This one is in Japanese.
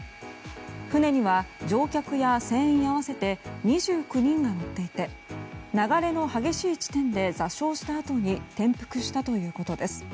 船には乗客や船員合わせて２９人が乗っていて流れの激しい地点で座礁したあとに転覆したということです。